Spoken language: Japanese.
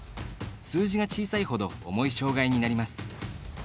数字が小さいほど重い障がいになります。